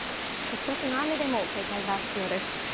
少しの雨でも警戒が必要です。